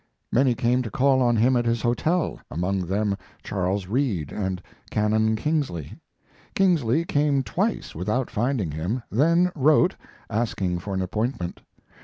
Many came to call on him at his hotel, among them Charles Reade and Canon Kingsley. Kingsley came twice without finding him; then wrote, asking for an appointment.